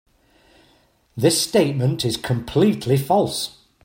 This statement is completely false.